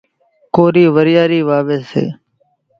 ڪورِي وريارِي واويَ سي۔